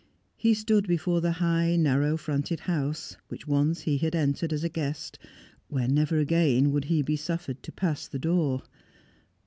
He stood before the high narrow fronted house, which once he had entered as a guest, where never again would he be suffered to pass the door.